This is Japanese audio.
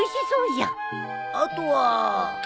あとは。